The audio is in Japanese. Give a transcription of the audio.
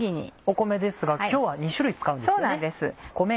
米ですが今日は２種類使うんですよね。